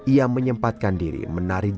ia menyempatkan diri menari